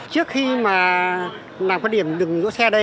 trước khi mà làm cái điểm dừng đỗ xe đây